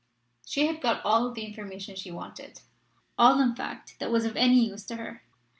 She had got all the information she wanted all, in fact, that was of any use to her.